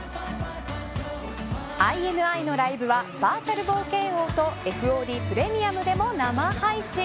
ＩＮＩのライブはバーチャル冒険王とＦＯＤプレミアムでも生配信。